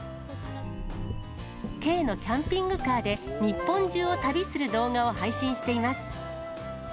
軽のキャンピングカーで日本中を旅する動画を配信しています。